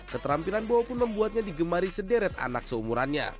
keterampilan bowo pun membuatnya digemari sederet anak seumurannya